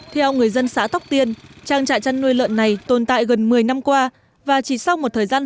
theo người dân xã tóc tiên trang trại chăn nuôi lợn này tồn tại gần một mươi năm qua và chỉ sau một thời gian